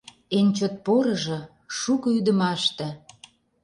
Эн чот порыжо — шуко ӱдымаште.